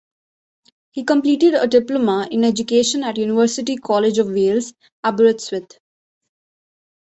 He completed a Diploma in Education at University College of Wales, Aberystwyth.